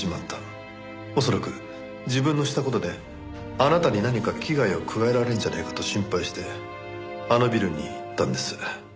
恐らく自分のした事であなたに何か危害を加えられるんじゃないかと心配してあのビルに行ったんです。